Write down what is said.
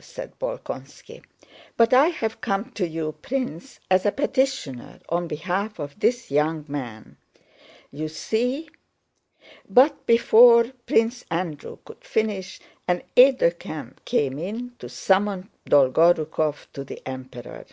said Bolkónski. "But I have come to you, Prince, as a petitioner on behalf of this young man. You see..." but before Prince Andrew could finish, an aide de camp came in to summon Dolgorúkov to the Emperor.